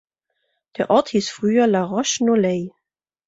Der Ort hieß früher La Roche-Nolay.